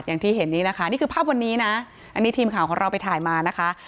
อย่างที่เห็นนี้นะคะนี่คือภาพวันนี้นะอันนี้ทีมข่าวของเราไปถ่ายมานะคะ